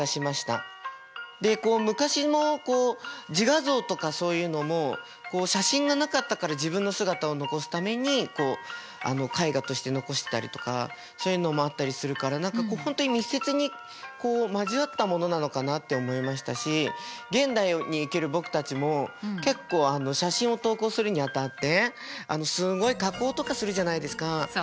でこう昔の自画像とかそういうのも写真がなかったから自分の姿を残すためにこう絵画として残したりとかそういうのもあったりするから何かこう本当に密接に交わったものなのかなって思いましたし現代に生きる僕たちも結構写真を投稿するにあたってすごい加工とかするじゃないですか。